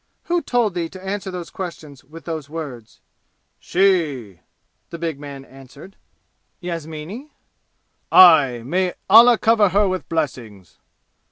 Who told thee to answer those questions with those words?" "She!" the big man answered. "Yasmini?" "Aye! May Allah cover her with blessings!"